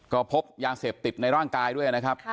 ก็พบยาเสพติดในร่างกายด้วยนะครับ